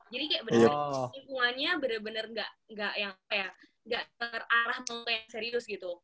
jadi kayak bener bener lingkungannya bener bener nggak yang kayak nggak terarah mau kayak serius gitu